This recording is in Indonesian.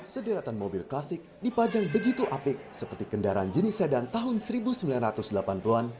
sederetan mobil klasik dipajang begitu apik seperti kendaraan jenis sedan tahun seribu sembilan ratus delapan puluh an